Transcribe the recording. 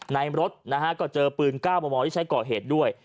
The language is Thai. ในรถนะฮะก็เจอปืน๙มมที่ใช้ก่อเหตุด้วย